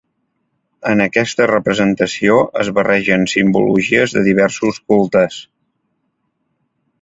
En aquesta representació es barregen simbologies de diversos cultes.